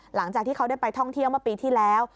หลังจากที่เขาได้ไปท่องเที่ยวเมื่อปีที่แล้ว